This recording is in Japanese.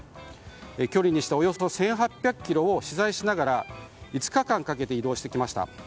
距離にしておよそ１８００ｋｍを取材しながら５日間かけて移動してきました。